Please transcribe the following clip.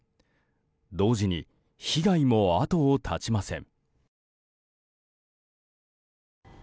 同時に被害も後を絶ちません。